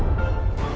nanti nini bisa kecewa